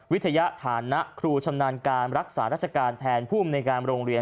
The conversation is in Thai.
วิทยธาษฎรรณฯครูชำนาญการรักษารัชกาลแทนผู้อำนาจงานโรงเรียน